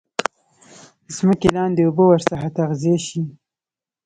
ځمکې لاندي اوبه ورڅخه تغذیه شي.